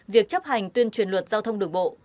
việc chấp hành tuyên truyền luật giao thông đường bộ